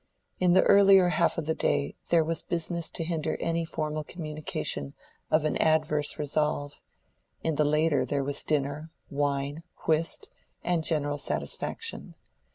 In the earlier half of the day there was business to hinder any formal communication of an adverse resolve; in the later there was dinner, wine, whist, and general satisfaction.